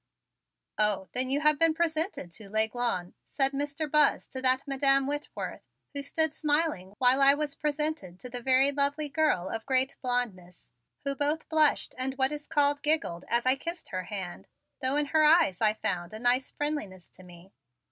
"Oh, then you have been presented to L'Aiglon?" said Mr. Buzz to that Madam Whitworth who stood smiling while I was presented to the very lovely girl of great blondness, who both blushed and what is called giggled as I kissed her hand, though in her eyes I found a nice friendliness to me.